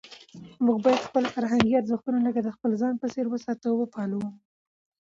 موږ باید خپل فرهنګي ارزښتونه لکه د خپل ځان په څېر وساتو او وپالو.